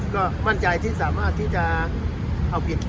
ก็มั่นใจที่สามารถที่จะเอาผิด